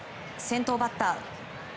先頭バッター。